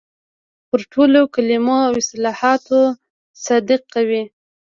پر ټولو کلمو او اصطلاحاتو صدق کوي.